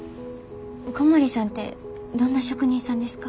小森さんってどんな職人さんですか？